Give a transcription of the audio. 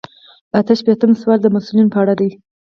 اته شپیتم سوال د مسؤلیت په اړه دی.